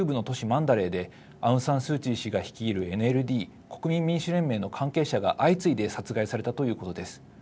マンダレーでアウン・サン・スー・チー氏が率いるＮＬＤ＝国民民主連盟の関係者が相次いで殺害されたということです。